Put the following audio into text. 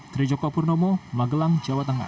dari joko purnomo magelang jawa tengah